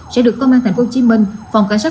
sẽ được công an tp hcm phòng cảnh sát